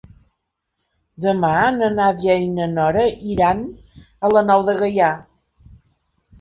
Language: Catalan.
Demà na Nàdia i na Nora iran a la Nou de Gaià.